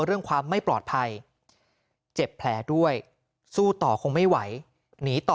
เรื่องความไม่ปลอดภัยเจ็บแผลด้วยสู้ต่อคงไม่ไหวหนีต่อ